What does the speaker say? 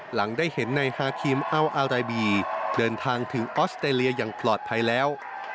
หลังได้เห็นนายฮาคิมอัลอาราบีเดินทางถึงออสเตรเลียอย่างปลอดภัยแล้ว